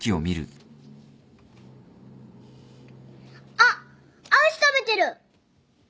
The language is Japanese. あっアイス食べてる。